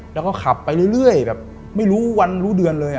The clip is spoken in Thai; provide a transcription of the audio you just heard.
แล้วก็ขับไปเรื่อยแบบไม่รู้วันรู้เดือนเลย